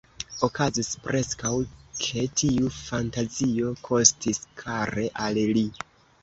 Okazis preskaŭ, ke tiu fantazio kostis kare al li.